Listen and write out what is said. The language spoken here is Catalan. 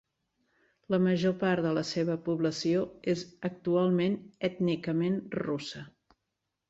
La major part de la seva població és actualment ètnicament russa.